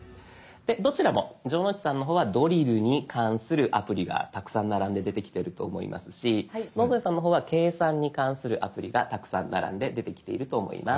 どちらも城之内さんの方はドリルに関するアプリがたくさん並んで出てきてると思いますし野添さんの方は計算に関するアプリがたくさん並んで出てきていると思います。